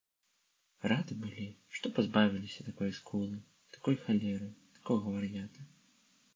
Рады былі, што пазбавіліся такой скулы, такой халеры, такога вар'ята.